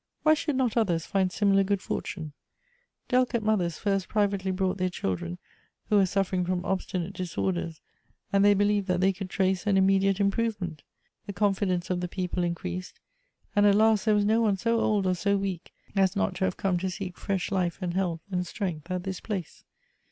Why should not others find similar good fortune ? Del icate mothers first privately brought their children who were suffering fi"om obstinate disorders, and they believed that they could trace an immediate improvement. The confidence of the people increased, and at last there was no one so old or so weak as not to have come to seek fresh life and health and strength at this place.